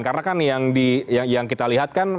karena kan yang kita lihat kan